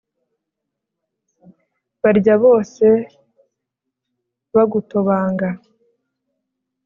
barya bose bagutobanga